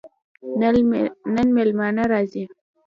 نن مېلمانه راځي